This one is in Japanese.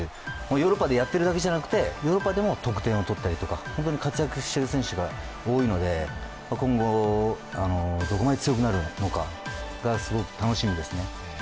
ヨーロッパでやっているだけじゃなくて、ヨーロッパでも得点を取ったりとか、本当に活躍している選手が多いので、今後、僕もどこまで強くなるのかすごく楽しみですね。